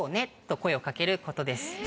と声を掛けることです。